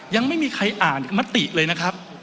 ยังไม่มีใครอ่านมติเลยนะครับ